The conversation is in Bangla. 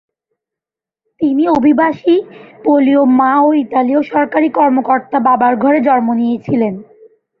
তিনি অভিবাসী পোলীয় মা ও ইতালীয় সরকারি কর্মকর্তা বাবার ঘরে জন্ম নিয়েছিলেন।